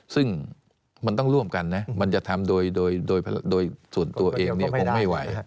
ซึ่งมันต้องร่วมกันนะมันจะทำโดยส่วนตัวเองคงไม่ไหว